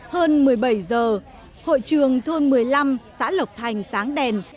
hơn một mươi bảy giờ hội trường thôn một mươi năm xã lộc thành sáng đèn